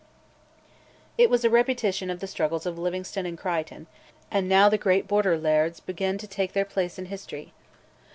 It was a repetition of the struggles of Livingstone and Crichton, and now the great Border lairds begin to take their place in history.